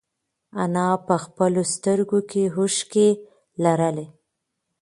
انا په خپلو سترگو کې اوښکې لرلې.